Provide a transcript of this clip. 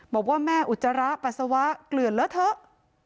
บอกว่าแม่อุจจาระปัสสาวะเกลื่อนเลอะเถอะ